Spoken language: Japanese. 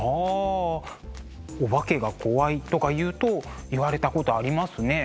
「お化けが怖い」とか言うと言われたことありますね。